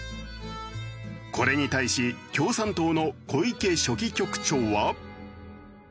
これに対し共産党の小池書記局長は。